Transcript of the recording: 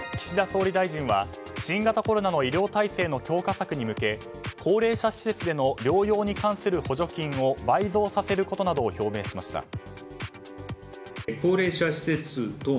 岸田総理大臣は新型コロナの医療体制の強化策に向け高齢者施設への療養に対する補助金を倍増させることなどを表明しました。